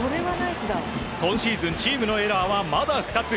今シーズンチームのエラーは、まだ２つ。